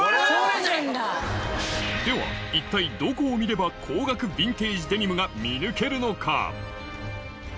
⁉では一体どこを見れば高額ヴィンテージデニムが見抜けるのか？